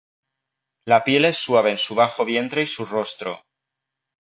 La piel es suave en su bajo vientre y su rostro.